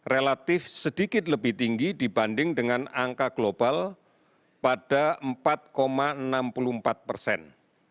relatif sedikit lebih tinggi dibanding dengan angka global pada empat enam puluh empat persen